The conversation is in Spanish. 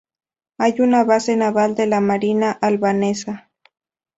Hay una base naval de la marina albanesa.